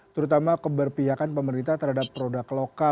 terutama keberpihakan pemerintah terhadap produk lokal